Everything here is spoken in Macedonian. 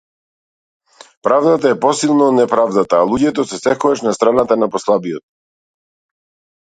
Правдата е посилна од неправдата, а луѓето се секогаш на страната на послабиот.